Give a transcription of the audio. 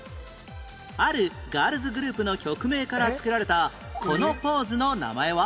あるガールズグループの曲名から作られたこのポーズの名前は？